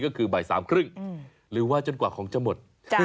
ก็คือบ่าย๓๓๐หรือว่าจนกว่าของจะหมด